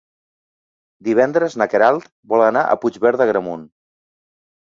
Divendres na Queralt vol anar a Puigverd d'Agramunt.